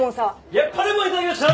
やっぱレモン頂きました！